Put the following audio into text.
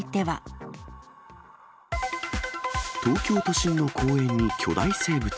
東京都心の公園に巨大生物。